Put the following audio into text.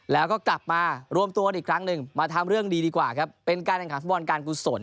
แล้วก็กลับมาร่วมตัวอีกครั้งนึงมาทำเรื่องดีดีกว่าเป็นการในเอกหัสบอลการฟูสน